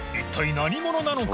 祕貘何者なのか？